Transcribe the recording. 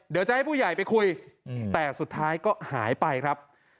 เดี๋ยวจะให้ผู้ใหญ่ไปคุยแต่สุดท้ายก็หายไปครับ